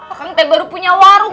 akang baru punya warung